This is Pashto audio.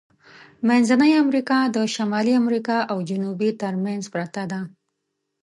منځنۍ امریکا د شمالی امریکا او جنوبي ترمنځ پرته ده.